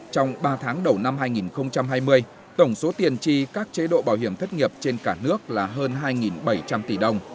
trong ba tháng đầu năm hai nghìn hai mươi tổng số tiền chi các chế độ bảo hiểm thất nghiệp trên cả nước là hơn hai bảy trăm linh tỷ đồng